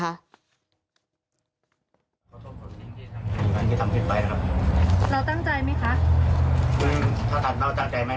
ที่ทำผิดไปนะครับเราตั้งใจไหมคะอืมถ้าถามเราตั้งใจไหม